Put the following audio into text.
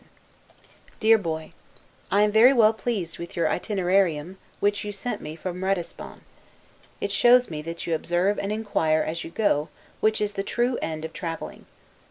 1747 DEAR BOY: I am very well pleased with your 'Itinerarium,' which you sent me from Ratisbon. It shows me that you observe and inquire as you go, which is the true end of traveling.